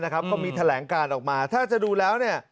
ก็มีแถลงการออกมาถ้าจะดูแล้ว